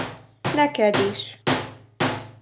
Neked is.